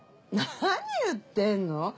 何言ってんの？